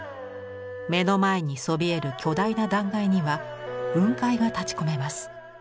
目の前にそびえる巨大な断崖には雲海が立ちこめます。